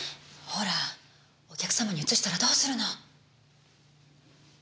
ほらお客様にうつしたらどうするの。